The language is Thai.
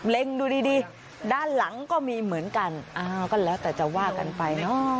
ดูดีดีด้านหลังก็มีเหมือนกันอ้าวก็แล้วแต่จะว่ากันไปเนอะ